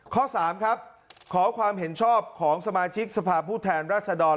ข้อ๓ครับขอความเห็นชอบของสมาชิกสภาพผู้แทนรัศดร